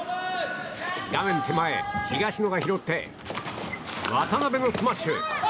画面手前、東野が拾って渡辺のスマッシュ。